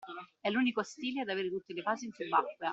È l’unico stile ad avere tutte le fasi in subacquea